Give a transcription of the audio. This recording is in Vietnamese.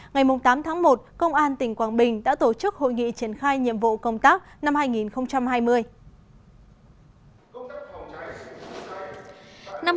ngày tám tháng một công an tỉnh quảng bình đã tổ chức hội nghị triển khai nhiệm vụ công tác năm hai nghìn hai mươi